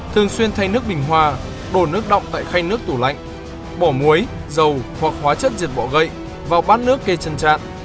thường xuyên thay nước bình hoa đổ nước đọng tại khanh nước tủ lạnh bỏ muối dầu hoặc hóa chất diệt bọ gậy vào bát nước kê chân trạn